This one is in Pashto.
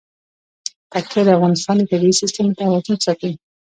پکتیا د افغانستان د طبعي سیسټم توازن ساتي.